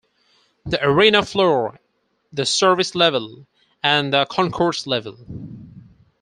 The arena floor, the service level and the concourse level.